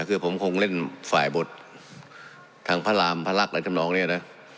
คือผมคงเล่นฝ่ายบททางพระรามพระรักษ์อะไรทำนองเนี่ยนะ